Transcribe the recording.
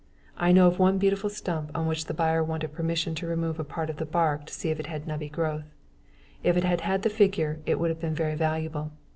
I know of one beautiful stump on which the buyer wanted permission to remove part of its bark to see if it had nubby growth. If it had had the figure, it would have been very valuable.